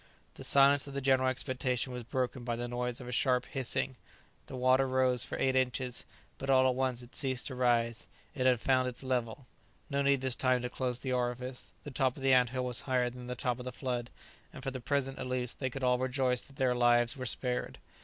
The silence of the general expectation was broken by the noise of a sharp hissing; the water rose for eight inches, but all at once it ceased to rise; it had found its level. No need this time to close the orifice; the top of the ant hill was higher than the top of the flood; and for the present, at least, they could all rejoice that their lives were spared!